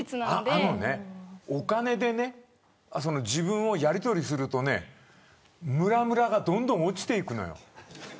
あのね、お金でね自分をやりとりするとねむらむらがどんどん落ちていくのよ。